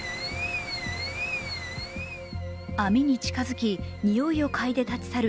網に近づき、においを嗅いで立ち去る